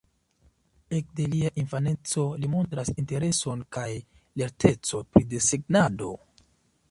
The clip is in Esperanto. Ekde lia infaneco, li montras intereson kaj lertecon pri desegnado.